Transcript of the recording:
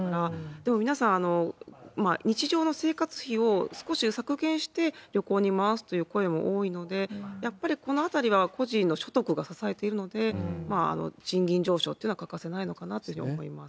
でも皆さん、日常の生活費を少し削減して旅行に回すという声も多いので、やっぱりこのあたりは、個人の所得が支えているので、賃金上昇っていうのは欠かせないのかなというふうに思います。